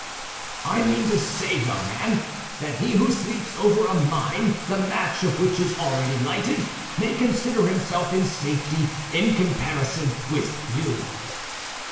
"I mean to say, young man, that he who sleeps over a mine the match of which is already lighted, may consider himself in safety in comparison with you."